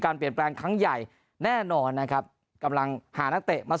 เปลี่ยนแปลงครั้งใหญ่แน่นอนนะครับกำลังหานักเตะมา